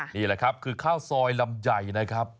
นี่แหละครับคือข้าวซอยลำไยนะครับ